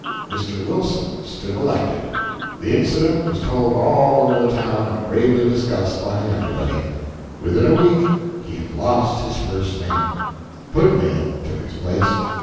Mr. Wilson stood elected. The incident was told all over the town, and gravely discussed by everybody. Within a week he had lost his first name; Pudd'nhead took its place.